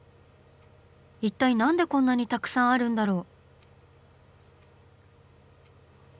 一体なんでこんなにたくさんあるんだろう？